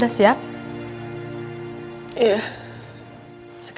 dan kalau mau kusuke